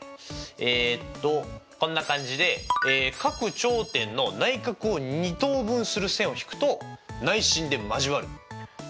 えっとこんな感じで各頂点の内角を二等分する線を引くと内心で交わる！でしたっけ。